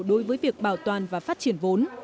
đối với việc bảo toàn và phát triển vốn